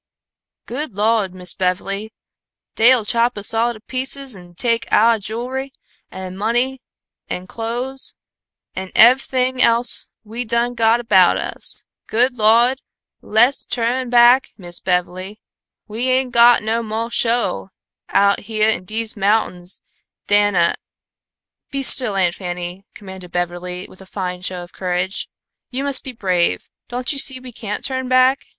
"Good Lawd, Miss Bev'ly, dey'll chop us all to pieces an' take ouah jewl'ry an' money an' clo'es and ev'ything else we done got about us. Good Lawd, le's tu'n back, Miss Bev'ly. We ain' got no mo' show out heah in dese mountings dan a " "Be still, Aunt Fanny!" commanded Beverly, with a fine show of courage. "You must be brave. Don't you see we can't turn back?